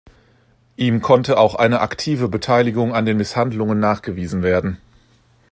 Ihm konnte auch eine aktive Beteiligung an den Misshandlungen nachgewiesen werden.